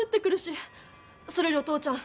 それよりお父ちゃん